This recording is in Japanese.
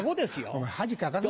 お前恥かかすな。